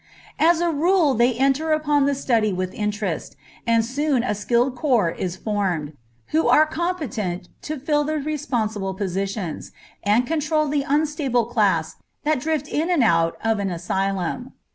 As a rule they enter upon the study with interest, and soon a skilled corps is formed, who are competent to fill the responsible positions, and control the unstable class that drift in and out of an asylum.